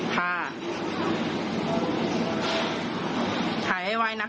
ถ่ายให้ไวนะคะ